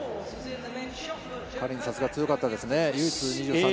カリンさすが強かったですね。